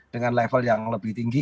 dengan level yang lebih tinggi